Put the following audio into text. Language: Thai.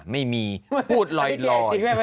ไม่มีพูดลอย